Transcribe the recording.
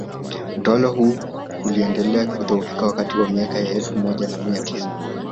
Utawala hui uliendelea kudhoofika wakati wa miaka ya elfu moja na mia tisa